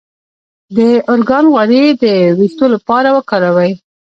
د ارګان غوړي د ویښتو لپاره وکاروئ